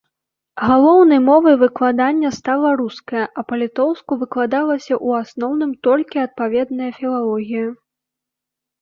Галоўнай мовай выкладання стала руская, а па-літоўску выкладалася ў асноўным толькі адпаведная філалогія.